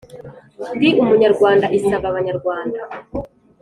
Ndi Umunyarwanda isaba Abanyarwanda